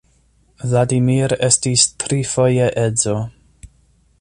Vladimir estis trifoje edzo.